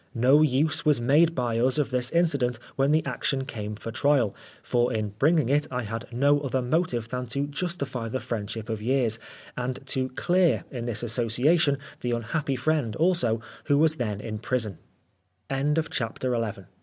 No use was made by us of this incident when the action came : Oscar Wilde for trial, for in bringing it I had no other motive than to justify the friendship of years, and to clear, in this association, the unhappy friend also who was the